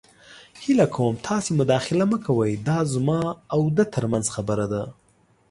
هیله کوم تاسې مداخله مه کوئ. دا زما او ده تر منځ خبره ده.